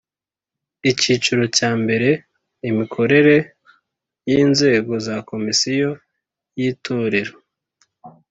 Icyiciro cya mbere Imikorere y inzego za Komisiyo yitorero